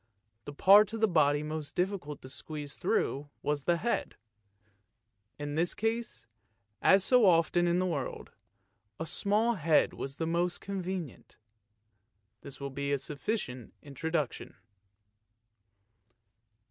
The part of the body most difficult to squeeze through was the head; in this case, as so often in the world, a small head was the most convenient. This will be a sufficient introduction.